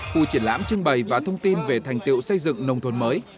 khu triển lãm trưng bày và thông tin về thành tiệu xây dựng nông thôn mới